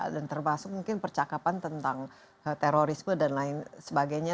dan termasuk mungkin percakapan tentang terorisme dan lain sebagainya